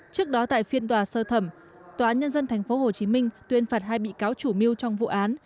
trước đó tại phiên tòa sơ thẩm tòa án nhân dân tp hcm tuyên phạt hai bị cáo chủ mưu trong vụ án